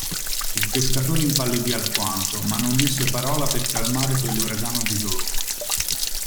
Il pescatore impallidì alquanto; ma non disse parola per calmare quell'uragano di dolore.